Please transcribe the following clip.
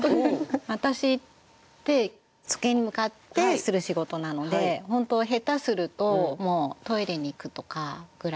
私って机に向かってする仕事なので本当下手するともうトイレに行くとかぐらいしか動かない。